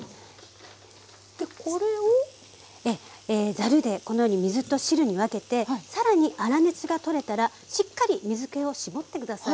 ざるでこのように水と汁に分けて更に粗熱が取れたらしっかり水けを絞って下さい。